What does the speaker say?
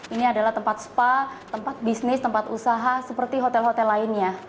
ini adalah tempat spa tempat bisnis tempat usaha seperti hotel hotel lainnya